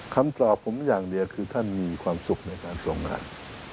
คำตอบผมอย่างเดียวคือท่านมีความสุขในการส่งงาน